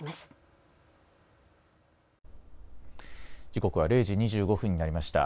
時刻は０時２５分になりました。